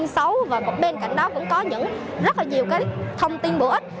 những thông tin xấu và bên cạnh đó cũng có rất nhiều thông tin bổ ích